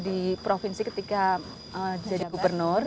di provinsi ketika jadi gubernur